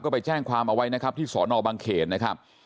ไปแจ้งความเอาไว้นะครับที่สอนอบังเขนนะครับ